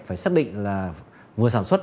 phải xác định là vừa sản xuất